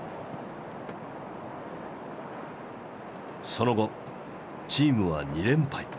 その後チームは２連敗。